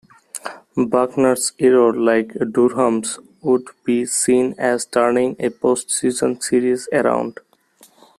Buckner's error, like Durham's, would be seen as turning a post-season series around.